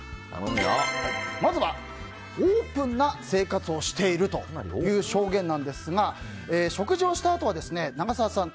まずはオープンな生活をしているという証言なんですが食事をしたあとは、長澤さん